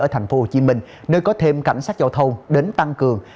ở thành phố hồ chí minh nơi có thêm cảnh sát giao thông đến tăng cường